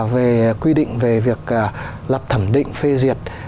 về quy định về việc lập thẩm định phê duyệt